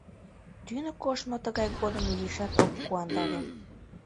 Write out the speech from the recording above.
Тӱнӧ коштмо тыгай годым изишат ок куандаре.